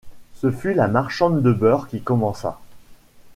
Ce fut la marchande de beurre qui commença.